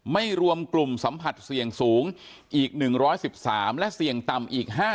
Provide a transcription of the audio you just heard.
ไม่รวมกลุ่มสัมผัสเสี่ยงสูงอีก๑๑๓และเสี่ยงต่ำอีก๕๐